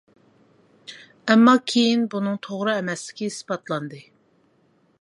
ئەمما كېيىن بۇنىڭ توغرا ئەمەسلىكى ئىسپاتلاندى.